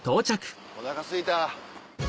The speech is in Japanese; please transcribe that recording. おなかすいた。